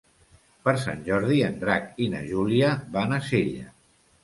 Per Sant Jordi en Drac i na Júlia van a Sella.